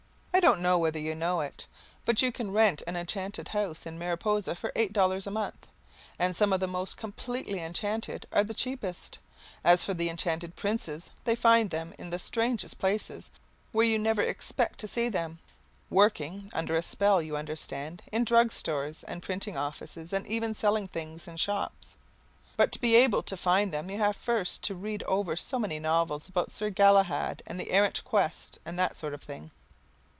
I don't know whether you know it, but you can rent an enchanted house in Mariposa for eight dollars a month, and some of the most completely enchanted are the cheapest. As for the enchanted princes, they find them in the strangest places, where you never expected to see them, working under a spell, you understand, in drug stores and printing offices, and even selling things in shops. But to be able to find them you have first to read ever so many novels about Sir Galahad and the Errant Quest and that sort of thing.